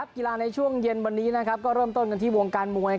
กีฬาในช่วงเย็นวันนี้ก็เริ่มต้นกันที่วงการมวย